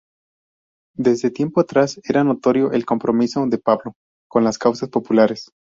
Desde tiempo atrás era notorio el compromiso de Pablo con las causas populares.